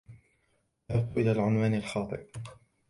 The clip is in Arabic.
ذهبت إلى العنوان الخطأ.